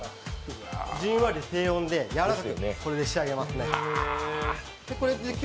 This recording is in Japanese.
じんわり低温でやわらかく、これで仕上げますね。